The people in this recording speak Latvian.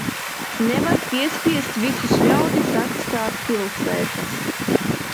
Nevar piespiest visus ļaudis atstāt pilsētas.